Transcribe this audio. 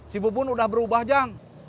si bobon udah berubah jang